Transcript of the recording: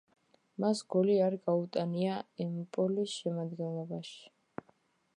მას გოლი არ გაუტანია „ემპოლის“ შემადგენლობაში.